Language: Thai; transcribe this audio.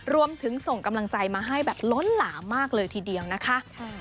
ส่งกำลังใจมาให้แบบล้นหลามมากเลยทีเดียวนะคะ